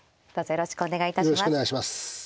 よろしくお願いします。